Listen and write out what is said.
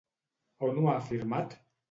On ho ha afirmat?